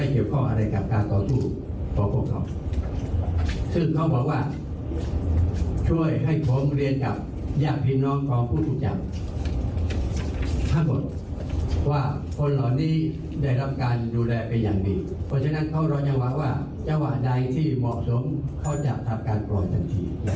เจ้าหวะใดที่เหมาะสมเข้าจากการปล่อยจนถึง